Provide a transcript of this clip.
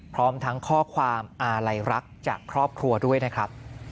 พร้อมทั้งข้อความอาลัยรักจากครอบครัวด้วยนะครับ